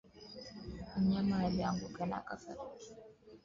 Mnyama aliyesalama hupata ugonjwa kwa kugusana na mnyama aliyeathirika